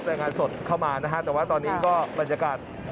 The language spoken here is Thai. รายงานสดเข้ามานะฮะแต่ว่าตอนนี้ก็บรรยากาศ